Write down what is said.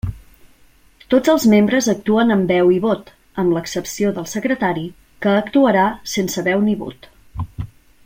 Tots els membres actuen amb veu i vot, amb l'excepció del secretari, que actuarà sense veu ni vot.